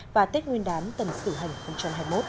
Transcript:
và tết nguyên đán tầm xử hành hai nghìn hai mươi một